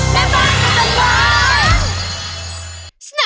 สวัสดีค่ะ